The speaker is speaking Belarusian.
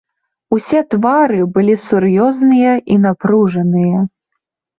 Усе твары былі сур'ёзныя і напружаныя.